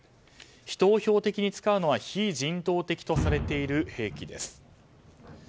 人を標的に使うのは非人道的とされている平気です。